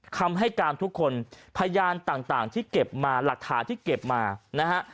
คำให้การทุกคนพยานต่างที่เก็บมาหลักฐานที่เก็บมานะฮะ